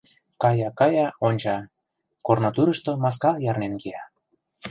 Кая-кая, онча: корно тӱрыштӧ маска ярнен кия.